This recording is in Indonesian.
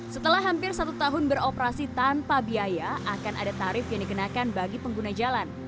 setelah hampir satu tahun beroperasi tanpa biaya akan ada tarif yang dikenakan bagi pengguna jalan